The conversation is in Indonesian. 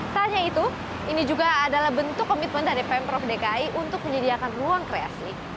tak hanya itu ini juga adalah bentuk komitmen dari pemprov dki untuk menyediakan ruang kreasi